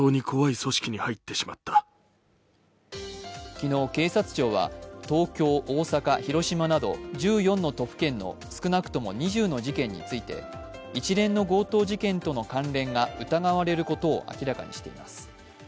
昨日、警察庁は東京、大阪、広島など１４の都府県の少なくとも２０の事件について一連の強盗事件との関連が疑われることを明らかにしています。